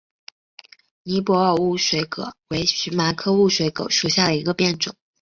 尼泊尔雾水葛为荨麻科雾水葛属下的一个变种。